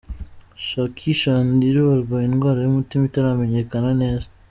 Jackie Chandiru arwaye indwara y'umutima itaramenyekana neza.